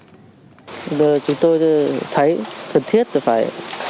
bây giờ chúng tôi thấy cần thiết là phải